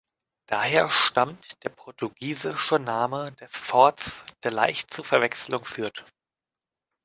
Daher stammt der portugiesische Name des Forts, der leicht zu Verwechselungen führt.